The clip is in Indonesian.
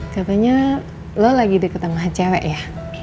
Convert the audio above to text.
katanya lo lagi diketemu cewek ya